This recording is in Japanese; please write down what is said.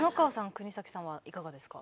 国崎さんはいかがですか？